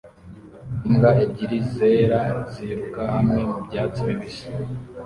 Imbwa ebyiri zera ziruka hamwe mubyatsi bibisi